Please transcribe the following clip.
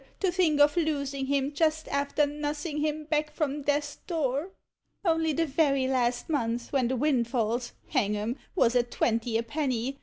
to think of losing him just after nussing him back from death's door! Only the very last month when the windfalls, hang 'em, was at twenty a penny!